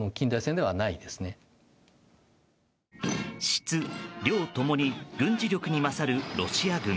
質、量共に軍事力に優るロシア軍。